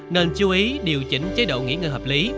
nên chú ý điều chỉnh chế độ nghỉ ngơ hợp lý